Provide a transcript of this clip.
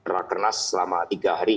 rakernas selama tiga hari